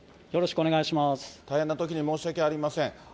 大変なときに申し訳ありません。